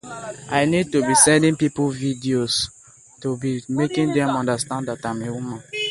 Rookie Diva of the Year.